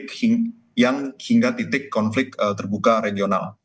mereka juga tidak menginginkan konflik yang hingga titik konflik terbuka regional